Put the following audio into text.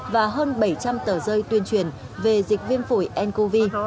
và hơn bảy trăm linh tờ rơi tuyên truyền về dịch viêm phổi ncov